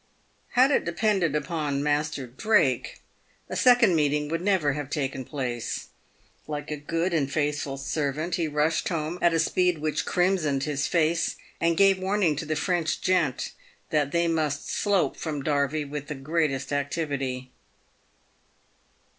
Had it depended upon Master Drake, a second meeting would never have taken place. Like a good and faithful servant, he rushed home at a speed which crimsoned his face, and gave warning to the French gent that they must slope from Derby with the greatest activity.